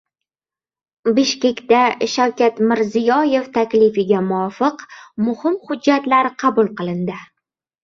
Bishkekda Shavkat Mirziyoyev taklifiga muvofiq muhim hujjatlar qabul qilindi